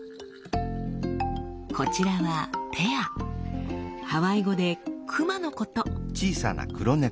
こちらはハワイ語で「熊」のこと。